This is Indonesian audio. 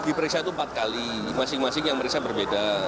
diperiksa itu empat kali masing masing yang merisa berbeda